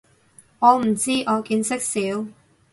我唔知，我見識少